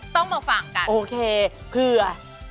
ต้องมาฝั่งกันโอเคคือ